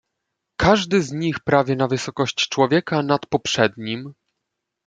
"Każdy z nich prawie na wysokość człowieka nad poprzednim."